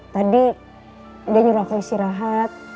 tadi dia nyuruh aku istirahat